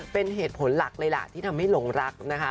เป็นเหตุผลหลักเลยล่ะที่ทำให้หลงรักนะคะ